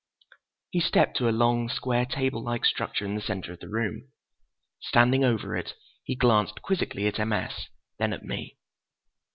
He stepped to a long, square table like structure in the center of the room. Standing over it, he glanced quizzically at M. S., then at me.